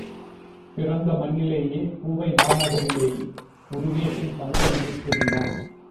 பிறந்த மண்ணிலேயே பூவை மாநகரிலேயே முருகேசன் தங்க நினைச்சிருந்தான்.